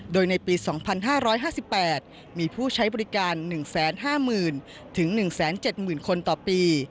โดยในปี๒๕๕๘มีผู้ใช้บริการ๑๕๐๐๐๑๗๐๐คนต่อปี